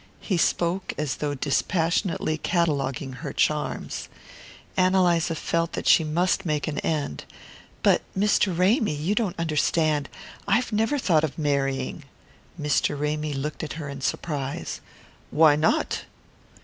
He spoke as though dispassionately cataloguing her charms. Ann Eliza felt that she must make an end. "But, Mr. Ramy, you don't understand. I've never thought of marrying." Mr. Ramy looked at her in surprise. "Why not?"